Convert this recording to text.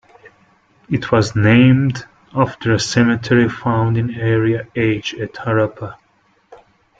It was named after a cemetery found in "area H" at Harappa.